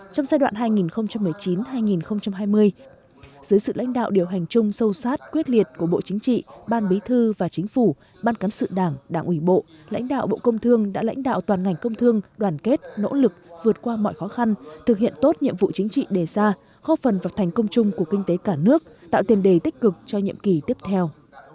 trong giai đoạn hai nghìn một mươi chín hai nghìn hai mươi dưới sự lãnh đạo điều hành chung sâu sát quyết liệt của bộ chính trị ban bí thư và chính phủ ban cán sự đảng đảng ủy bộ lãnh đạo bộ công thương đã lãnh đạo toàn ngành công thương đoàn kết nỗ lực vượt qua mọi khó khăn thực hiện tốt nhiệm vụ chính trị đề ra khó phần và thành công chung của kinh tế cả nước tạo tiền đề tích cực cho nhiệm kỳ tiếp theo